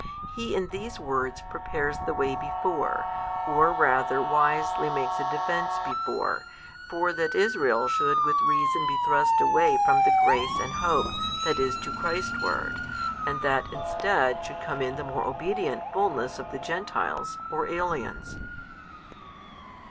He in these words prepares the way before, or rather wisely makes a defence before, for that Israel should with reason be thrust away from the grace and hope that is to Christ ward and that instead should come in the more obedient fulness of the Gentiles, or aliens.